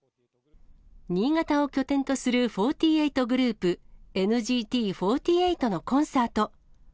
新潟を拠点とする４８グループ、ＮＧＴ４８のコンサート。